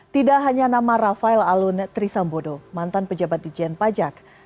tidak hanya nama rafael alun trisambodo mantan pejabat di jen pajak